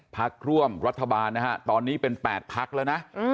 พักร่วมรัฐบาลนะฮะตอนนี้เป็น๘พักแล้วนะ